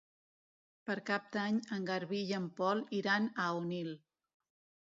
Per Cap d'Any en Garbí i en Pol iran a Onil.